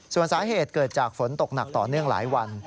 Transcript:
ส่วนสาเหตุเกิดจากฝนตกหนักต่อเนื่องหลายวัน